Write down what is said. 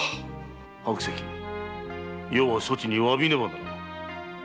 余はそちに詫びねばならぬ。